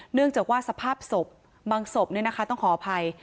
เนื่องจากว่าสภาพศพบางศพต้องขออภัย